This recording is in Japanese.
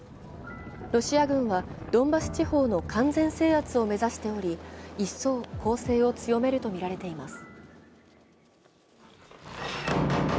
ロシア軍はドンバス地方の完全制圧を目指しておりいっそう攻勢を強めるとみられています。